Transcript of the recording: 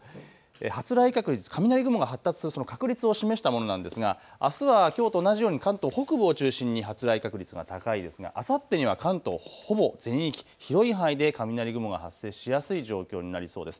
発雷確率、雷雲が発達する確率を示したものなんですがあすはきょうと同じように関東北部を中心に発雷確率が高いですがあさってには関東ほぼ全域、広い範囲で雷雲が発生しやすい状況になりそうです。